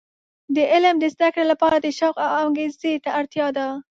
د علم د زده کړې لپاره د شوق او انګیزې ته اړتیا ده.